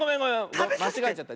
まちがえちゃった。